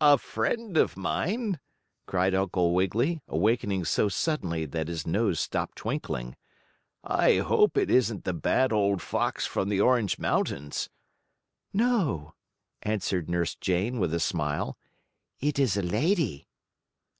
"A friend of mine!" cried Uncle Wiggily, awakening so suddenly that his nose stopped twinkling. "I hope it isn't the bad old fox from the Orange Mountains." "No," answered Nurse Jane with a smile, "it is a lady."